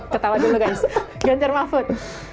ketawa dulu kan ganjar mahfud